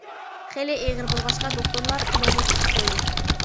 خېلى ئېغىر بولغاچقا دوختۇرلار قولۇڭنى تىكىپ قويدى.